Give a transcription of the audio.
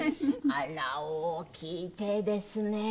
あら大きい手ですね！